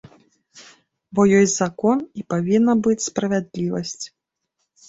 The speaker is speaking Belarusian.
Бо ёсць закон, і павінна быць справядлівасць.